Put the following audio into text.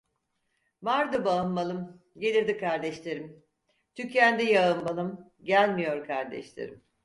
Vardı bağım malım, gelirdi kardeşlerim; tükendi yağım balım, gelmiyor kardeşlerim.